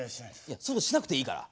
そういうのしなくていいから。